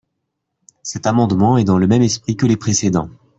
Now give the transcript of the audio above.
Cet amendement est dans le même esprit que les précédents.